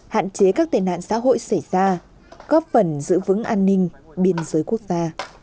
hạn chế các tệ nạn xã hội xảy ra góp phần giữ vững an ninh biên giới quốc gia